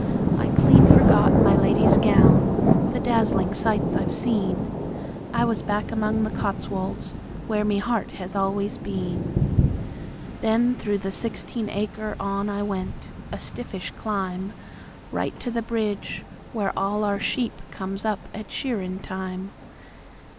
I clean forgot My Lady's gown, the dazzlin' sights I've seen; I was back among the Cotswolds, where me heart has always been. Then through the sixteen acre on I went, a stiffish climb, Right to the bridge, where all our sheep comes up at shearin' time.